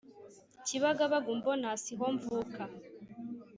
kibagabaga umbona siho mvuka